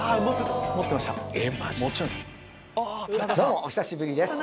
どうもお久しぶりです